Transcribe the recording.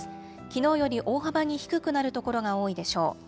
きのうより大幅に低くなる所が多いでしょう。